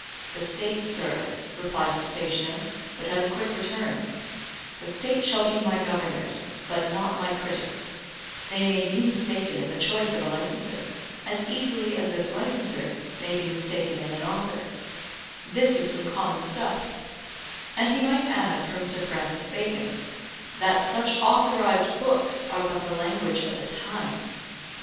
The State, sir, replies the stationer, but has a quick return: The State shall be my governors, but not my critics; they may be mistaken in the choice of a licenser, as easily as this licenser may be mistaken in an author; this is some common stuff; and he might add from Sir Francis Bacon, THAT SUCH AUTHORIZED BOOKS ARE BUT THE LANGUAGE OF THE TIMES.